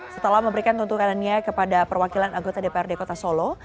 setelah memberikan tuntutannya kepada perwakilan anggota dprd kota solo